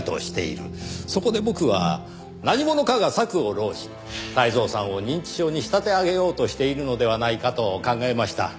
そこで僕は何者かが策を弄し泰造さんを認知症に仕立て上げようとしているのではないかと考えました。